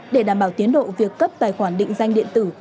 để đảm bảo tiến độ việc cấp tài khoản định danh điện tử